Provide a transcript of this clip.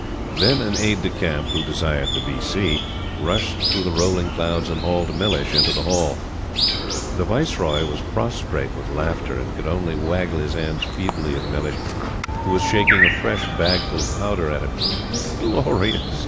Then an Aide de Camp, who desired the V. C., rushed through the rolling clouds and hauled Mellish into the hall. The Viceroy was prostrate with laughter, and could only waggle his hands feebly at Mellish, who was shaking a fresh bagful of powder at him. "Glorious!